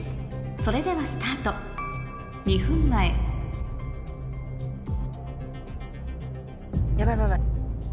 それではスタート２分前ヤバいヤバい。